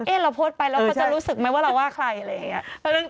เราโพสต์ไปแล้วเขาจะรู้สึกไหมว่าเราว่าใครอะไรอย่างนี้